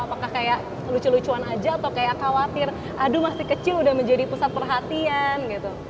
apakah kayak lucu lucuan aja atau kayak khawatir aduh masih kecil udah menjadi pusat perhatian gitu